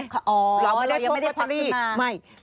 อ๋อยังไม่ได้ควักขึ้นมา